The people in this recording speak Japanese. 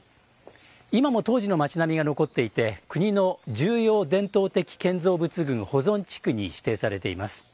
今も当時の町並みが残っていて国の重要伝統的建造物群保存地区に指定されています。